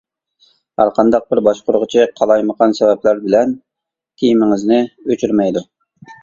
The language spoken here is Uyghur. ھەرقانداق بىر باشقۇرغۇچى قالايمىقان سەۋەبلەر بىلەن تېمىڭىزنى ئۆچۈرمەيدۇ!